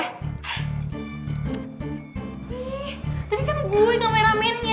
ih tadi kan gue yang ngamain ramennya